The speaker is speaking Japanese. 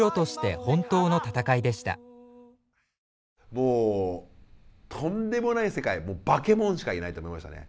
もうとんでもない世界バケモンしかいないと思いましたね。